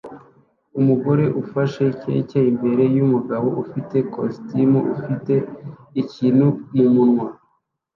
Umugore ufashe keke imbere yumugabo ufite ikositimu ifite ikintu mumunwa